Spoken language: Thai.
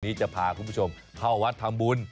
จะพาคุณผู้ชมเข้าวัดทำบุญ